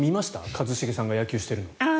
一茂さんが野球してるの。